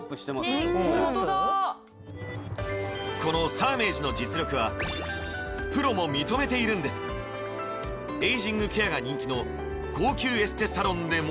このサーメージの実力はプロも認めているんですエイジングケアが人気の高級エステサロンでも